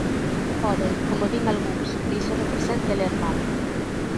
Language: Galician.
Pode, como din algúns, que iso represente ler mal.